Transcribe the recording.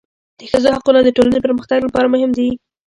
د ښځو حقونه د ټولنې پرمختګ لپاره مهم دي.